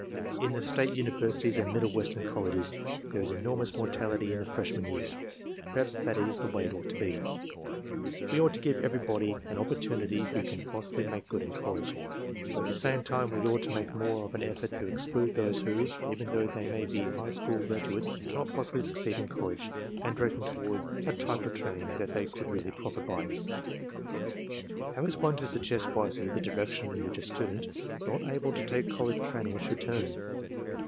"In the state universities and middle western colleges there is an enormous mortality in the freshman year. Perhaps, that is the way it ought to be. We ought to give everybody an op portunity who can possibly make good in college. But at the same time we ought to make more of an effort to exclude those who, even though they may be high school graduates, cannot possibly succeed in college, and direct them toward a type of training that they could really profit by. How is one to suggest wisely the direction in which a student not able to take college training should turn?